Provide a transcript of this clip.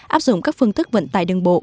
áp dụng các phương thức vận tải đường bộ